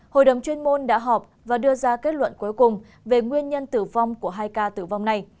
hội đồng chuyên môn đã họp và đưa ra kết luận cuối cùng về nguyên nhân tử vong của hai ca tử vong này